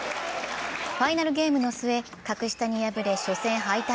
ファイナルゲームの末、格下に敗れ初戦敗退。